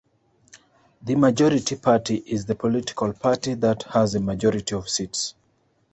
The "Majority party" is the political party that has a majority of seats.